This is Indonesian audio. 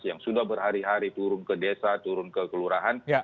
yang sudah berhari hari turun ke desa turun ke kelurahan